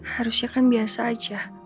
harusnya kan biasa aja